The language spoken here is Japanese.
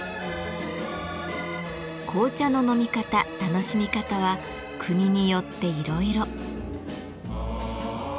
紅茶の飲み方楽しみ方は国によっていろいろ。